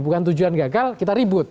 bukan tujuan gagal kita ribut